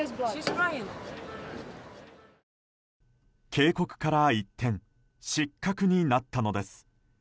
警告から一転失格になったのです。